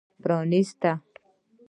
پرانېست.